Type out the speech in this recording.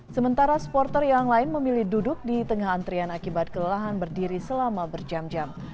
sementara supporter yang lain memilih duduk di tengah antrian akibat kelelahan berdiri selama berjam jam